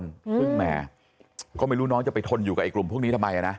ซึ่งแหมก็ไม่รู้น้องจะไปทนอยู่กับไอกลุ่มพวกนี้ทำไมอ่ะนะ